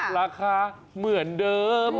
ราคาเหมือนเดิม